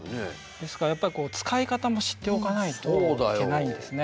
ですからやっぱ使い方も知っておかないといけないんですね。